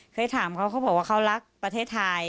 เคยถามเขาเขาบอกว่าเขารักประเทศไทย